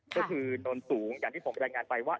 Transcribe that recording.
ก็คือนนสูงอย่างที่ผมรายงานไปว่า